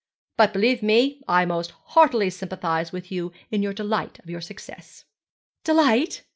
'But, believe me, I most heartily sympathized with you in the delight of your success.' 'Delight?'